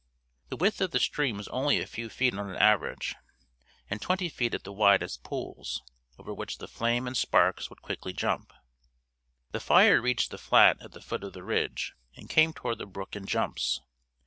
The width of the stream was only a few feet on an average, and twenty feet at the widest pools, over which the flame and sparks would quickly jump. The fire reached the flat at the foot of the ridge and came toward the brook in jumps.